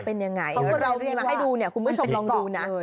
เพราะเรามีมาให้ดูคุณผู้ชมลองดูนะ